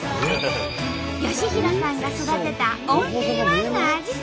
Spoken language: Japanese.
良浩さんが育てたオンリーワンのアジサイ。